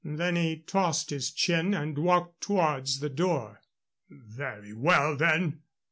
Then he tossed his chin and walked towards the door. "Very well, then!